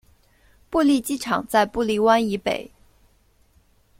布利机场在布利湾以北。